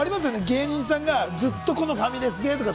芸人さんがずっとこのファミレスでとか。